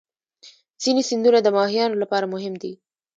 ځینې سیندونه د ماهیانو لپاره مهم دي.